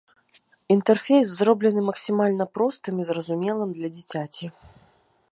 Інтэрфейс зроблены максімальна простым і зразумелым для дзіцяці.